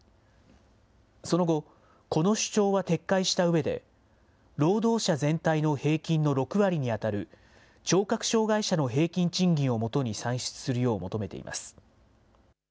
その後、この主張は撤回したうえで、労働者全体の平均の６割に当たる聴覚障害者の平均賃金をもとに算出するよう求めています。